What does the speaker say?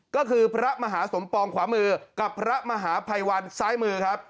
ก็คือพระมหาสมปองขวามือกับพระมหาภัยวันซ้ายมือครับ